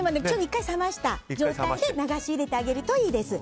１回冷ました状態で流し入れてあげるといいです。